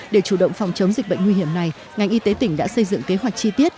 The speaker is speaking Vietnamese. để chủ động phòng chống dịch bệnh nguy hiểm này ngành y tế tỉnh đã xây dựng kế hoạch chi tiết